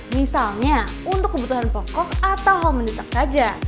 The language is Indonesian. misalnya untuk kebutuhan pokok atau hal mendesak saja